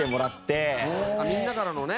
あっみんなからのね。